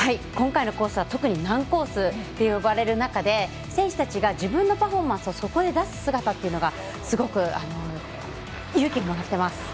今回のコースは特に難コースと呼ばれる中で選手たちが自分のパフォーマンスをそこで出す姿というのをすごく勇気もらってます。